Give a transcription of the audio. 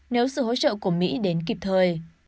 nếu sự hỗ trợ của mỹ đến kịp thời